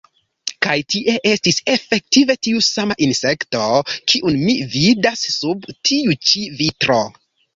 Kaj tie estis efektive tiu sama insekto, kiun vi vidas sub tiu ĉi vitro.